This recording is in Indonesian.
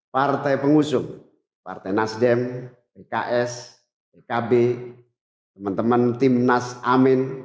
partai pengusung partai nasdem rks rkb teman teman tim nasamin